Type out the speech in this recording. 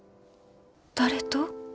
誰と？